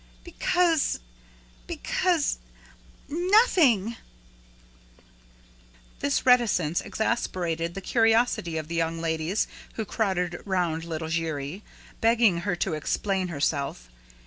"Because because nothing " This reticence exasperated the curiosity of the young ladies, who crowded round little Giry, begging her to explain herself.